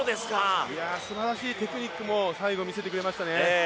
すばらしいテクニックも最後、見せてくれましたね。